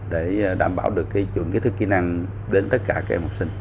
để đảm bảo được chuẩn kỹ thức kỹ năng đến tất cả các em học sinh